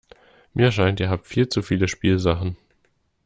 Mir scheint, ihr habt viel zu viele Spielsachen.